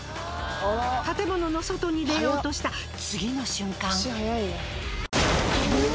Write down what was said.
建物の外に出ようとした次の瞬間。